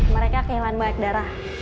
mereka kehilangan banyak darah